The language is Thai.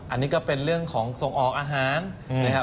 อันนี้ก็เป็นเรื่องของส่งออกอาหารนะครับ